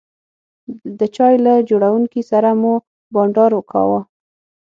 د چای له جوړونکي سره مو بانډار کاوه.